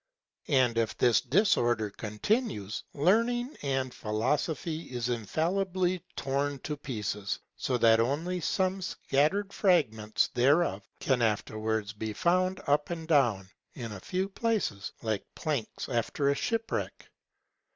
And if this disorder continues, learning and philosophy is infallibly torn to pieces; so that only some scattered fragments thereof can afterwards be found up and down, in a few places, like planks after a shipwreck.